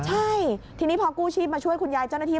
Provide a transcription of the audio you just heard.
ใช่ทีนี้พอกู้ชีพมาช่วยคุณยายเจ้าหน้าที่